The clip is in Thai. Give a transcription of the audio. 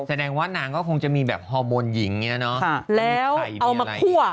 แสดงว่านางก็คงจะมีแบบฮอร์โมนหญิงเนี้ยเนอะค่ะแล้วเอามาคั่ว